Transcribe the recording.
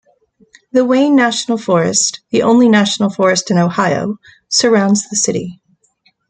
The Wayne National Forest, the only national forest in Ohio, surrounds the city.